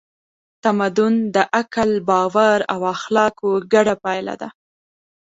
تمدن د عقل، باور او اخلاقو ګډه پایله ده.